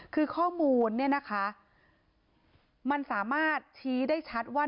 คือข้อมูลเนี่ยนะคะมันสามารถชี้ได้ชัดว่า